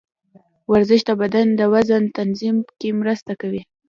ورزش د بدن د وزن تنظیم کې مرسته کوي.